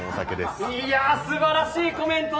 すばらしいコメント！